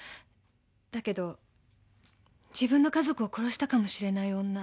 だけど自分の家族を殺したかもしれない女